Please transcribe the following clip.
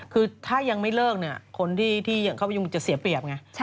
คือถ้ายังไม่เลิกคนที่ยังเข้าไปยุ่งจะเสียเปรียบไง